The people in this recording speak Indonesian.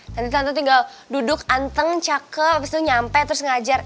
nanti tante tinggal duduk anteng cakep abis itu nyampe terus ngajar